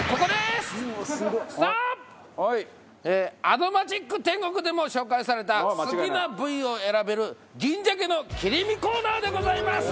『アド街ック天国』でも紹介された好きな部位を選べる銀鮭の切り身コーナーでございます！